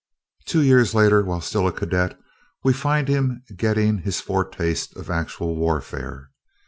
Two years later, while still a cadet, we find him getting his foretaste of actual warfare.